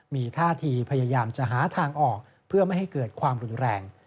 มีท่าทีพยายามจะหาทางออกเพื่อไม่ให้เกิดความรุนแรง